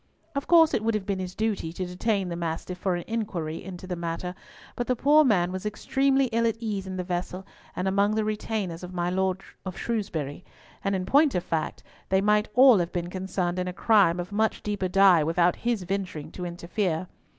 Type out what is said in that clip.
Of course it would have been his duty to detain the Mastiff for an inquiry into the matter, but the poor man was extremely ill at ease in the vessel and among the retainers of my Lord of Shrewsbury; and in point of fact, they might all have been concerned in a crime of much deeper dye without his venturing to interfere.